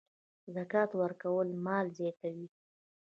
زکات ورکول مال زیاتوي.